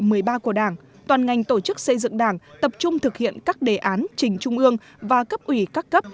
toàn một mươi ba của đảng toàn ngành tổ chức xây dựng đảng tập trung thực hiện các đề án trình trung ương và cấp ủy các cấp